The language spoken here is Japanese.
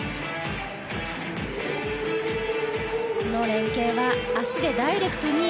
この連係は足でダイレクトに。